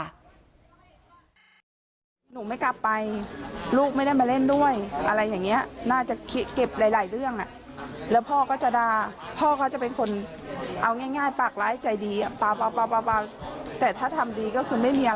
ก็ต้องมีสติที่ออกมานี่คือพ่อก็นั่งนะเขาชี้เขาชี้วัดเขาโดนที่ปาก